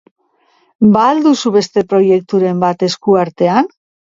Ba al duzu beste proiekturen bat esku artean?